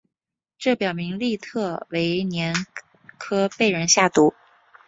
这表明利特维年科被人下毒。